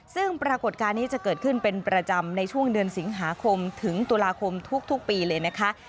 ซึ่งปรากฏการณ์นี้จะเกิดขึ้นเป็นประจำในช่วงเดือนสิงหาคมถึงตุลาคมทุกปีเลยนะคะ